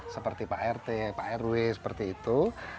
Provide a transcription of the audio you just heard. seperti pak rt pak rw seperti itu